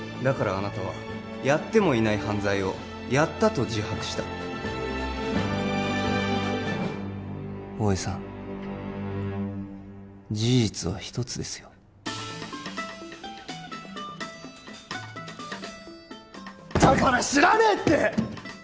あなたはやってもいない犯罪をやったと自白した大江さん事実は１つですよだから知らねえって！